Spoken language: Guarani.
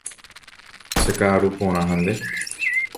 Cheka'aru porã ha nde.